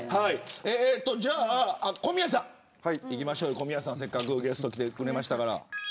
じゃあ、小宮さんいきましょうせっかくゲストに来てくれましたから。